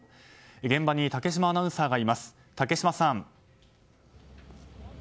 現場に竹島アナウンサーがいます竹島さん。